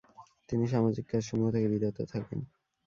তিনি সামাজিক কাজ সমূহ থেকে বিরত থাকেন।